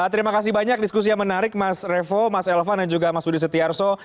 terima kasih banyak diskusi yang menarik mas revo mas elvan dan juga mas budi setiarso